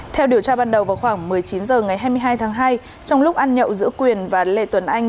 theo điều tra ban đầu vào khoảng một mươi chín h ngày hai mươi hai tháng hai trong lúc ăn nhậu giữa quyền và lê tuấn anh